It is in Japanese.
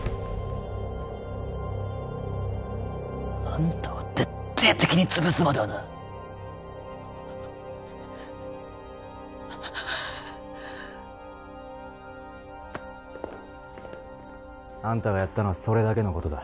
あんたを徹底的に潰すまではなあんたがやったのはそれだけのことだ